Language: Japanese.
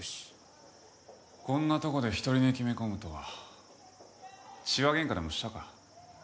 こんなとこで独り寝決め込むとは痴話ゲンカでもしたか。